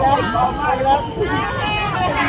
หรือละครพี่